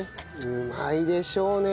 うまいでしょうね。